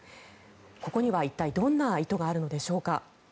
ここには一体どんな意図があるんでしょうか。